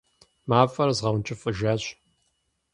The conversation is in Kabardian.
Мафӏэр згъэункӏыфӏыжащ.